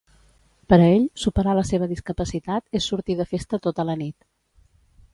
Per a ell, superar la seva discapacitat és sortir de festa tota la nit.